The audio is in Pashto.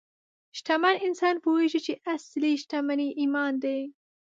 شتمن انسان پوهېږي چې اصلي شتمني ایمان دی.